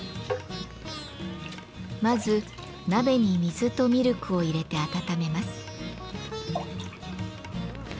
まず鍋に水とミルクを入れて温めます。